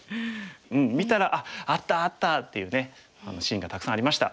うん見たら「あっあったあった！」っていうねシーンがたくさんありました。